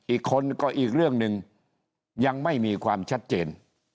อีกคนก็อีกเรื่องหนึ่งยังไม่มีความชัดเจน